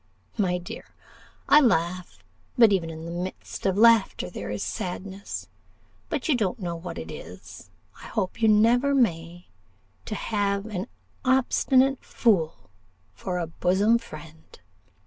My dear, I laugh; but even in the midst of laughter there is sadness. But you don't know what it is I hope you never may to have an obstinate fool for a bosom friend.